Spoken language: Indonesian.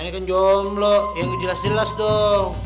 eh ini kan jomblo yang jelas jelas dong